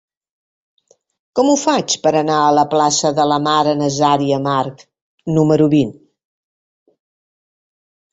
Com ho faig per anar a la plaça de la Mare Nazaria March número vint?